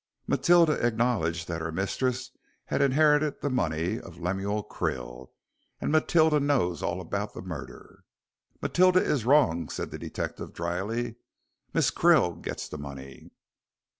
Matilda acknowledged that her mistress had inherited the money of Lemuel Krill, and Matilda knows all about the murder." "Matilda is wrong," said the detective, dryly; "Miss Krill gets the money."